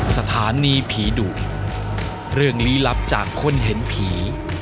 สถานีผีดุเรื่องลี้ลับจากคนเห็นผี